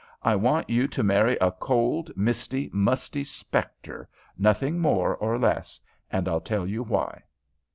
I want you to marry a cold, misty, musty spectre, nothing more or less, and I'll tell you why."